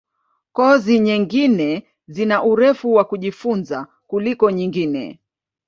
Kozi nyingine zina urefu wa kujifunza kuliko nyingine.